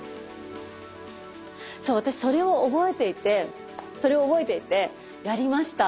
そう私それを覚えていてそれを覚えていてやりました。